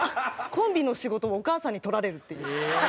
コンビの仕事をお母さんに取られるっていう。